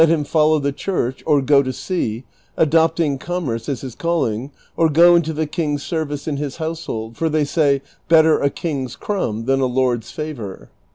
331 him follow the church, or go to sea, adopting commerce as his call ing, or go into the king's service in his household, for they say, ' Better a king's crumb than a lord's favor.'